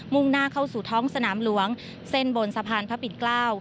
่งหน้าเข้าสู่ท้องสนามหลวงเส้นบนสะพานพระปิ่นเกล้า